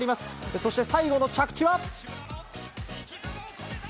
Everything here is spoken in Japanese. そして最後の着地は。